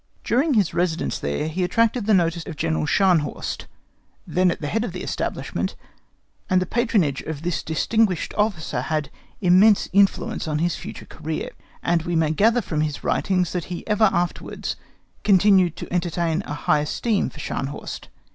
During his residence there he attracted the notice of General Scharnhorst, then at the head of the establishment; and the patronage of this distinguished officer had immense influence on his future career, and we may gather from his writings that he ever afterwards continued to entertain a high esteem for Scharnhorst.